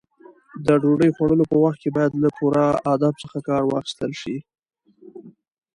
د ډوډۍ خوړلو په وخت کې باید له پوره ادب څخه کار واخیستل شي.